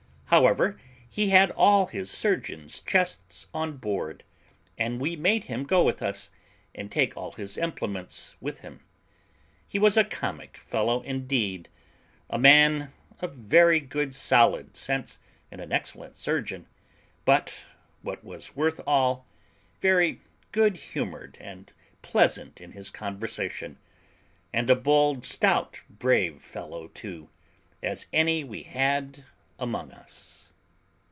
However, he had all his surgeon's chests on board, and we made him go with us, and take all his implements with him. He was a comic fellow indeed, a man of very good solid sense, and an excellent surgeon; but, what was worth all, very good humoured and pleasant in his conversation, and a bold, stout, brave fellow too, as any we had among us.